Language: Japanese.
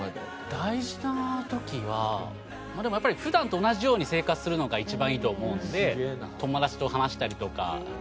大事な時はでもやっぱり普段と同じように生活するのが一番いいと思うんで友達と話したりとか監督と話したりとか。